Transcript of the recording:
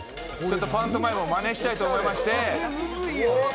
パントマイムをまねしたいと思いまして。